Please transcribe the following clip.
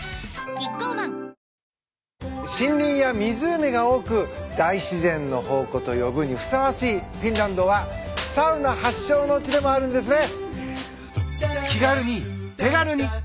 キッコーマン森林や湖が多く大自然の宝庫と呼ぶにふさわしいフィンランドはサウナ発祥の地でもあるんですね。